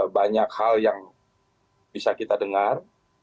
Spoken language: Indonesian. banyak hal yang bisa kita dengar